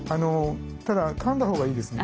ただかんだほうがいいですね。